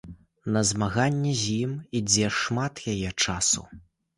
На змаганне з ім ідзе шмат яе часу.